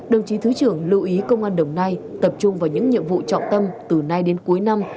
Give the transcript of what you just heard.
đồng chí thứ trưởng lưu ý công an đồng nai tập trung vào những nhiệm vụ trọng tâm từ nay đến cuối năm